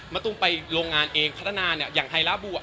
มาตุมไปโรงงานเองพัฒนาเช่นไฮร่าบัว